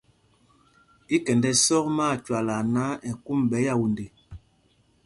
Í kɛnd ɛ́sɔ́k mi Átwôla náǎ, ɛ kûm ɓɛ Yaunde.